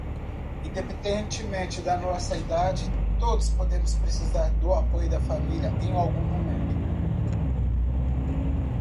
Independentemente da nossa idade, todos podemos precisar do apoio da família em algum momento.